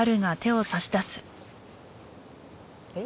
えっ？